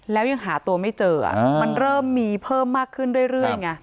แล้วยังหาตัวไม่เจอมันเริ่มมีเพิ่มมากขึ้นเรื่อยไง